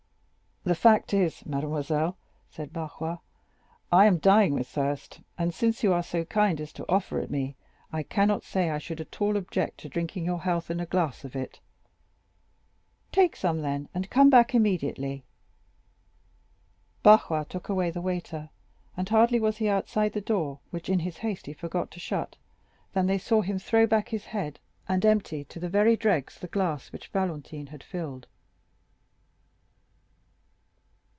"The fact is, mademoiselle," said Barrois, "I am dying with thirst, and since you are so kind as to offer it me, I cannot say I should at all object to drinking your health in a glass of it." "Take some, then, and come back immediately." Barrois took away the waiter, and hardly was he outside the door, which in his haste he forgot to shut, than they saw him throw back his head and empty to the very dregs the glass which Valentine had filled.